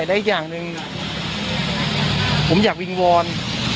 และอีกอย่างหนึ่งผมอยากวิงวอน